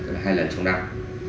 hay là hai lần trong đại